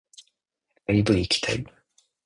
ライブ行きたい